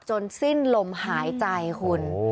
สิ้นลมหายใจคุณ